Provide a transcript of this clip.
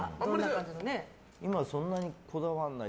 今はそんなにこだわらない。